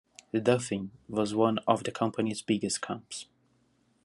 The Dolphin was one of the company's biggest camps.